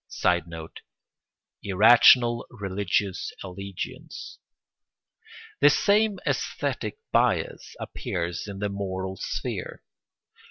[Sidenote: Irrational religious allegiance.] The same æsthetic bias appears in the moral sphere.